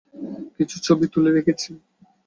কিছু ছবিও তুলে রেখেছি।